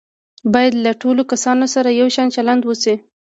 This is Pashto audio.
باید له ټولو کسانو سره یو شان چلند وشي.